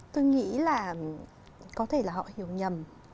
tôi nghĩ là có thể là họ hiểu nhầm